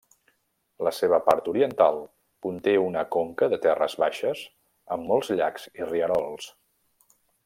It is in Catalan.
La seva part oriental conté una conca de terres baixes amb molts llacs i rierols.